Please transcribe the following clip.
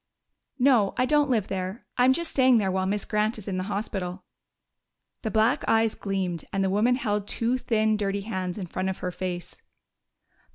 "No, I don't live there. I'm just staying there while Miss Grant is in the hospital." The black eyes gleamed, and the woman held two thin, dirty hands in front of her face.